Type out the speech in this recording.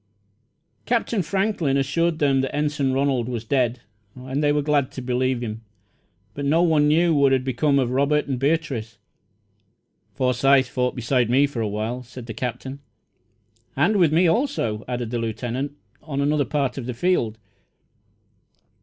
Captain Franklin assured them that Ensign Ronald was dead, and they were glad to believe him; but no one knew what had become of Robert and Beatrice. "Forsyth fought beside me for a while," said the Captain. "And with me, also," added the Lieutenant, "on another part of the field."